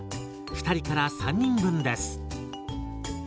２人から３人分です。